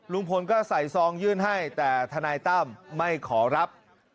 ลุงพลก็ใส่ซองยื่นให้แต่ทนายตั้มไม่ขอรับ